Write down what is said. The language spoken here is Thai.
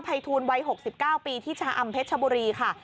ภัยทูลวัย๖๙ปีที่ชะอำเพชรชบุรีค่ะ